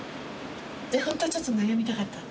ホントはちょっと悩みたかった？